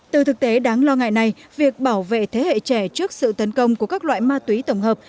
từ thực tế đáng lo ngại này việc bảo vệ thế hệ trẻ trước sự tấn công của các loại ma túy tổng hợp